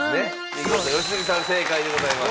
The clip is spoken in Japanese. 見事良純さん正解でございます。